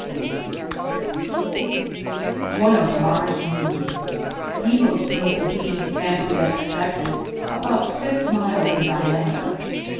On One of Mars' Moons. Deimos proved to be, as we had expected, about six miles in diameter.